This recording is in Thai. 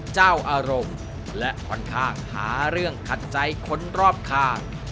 เจ้าอารมณ์และค่อนข้างหาเรื่องขัดใจคนรอบข้าง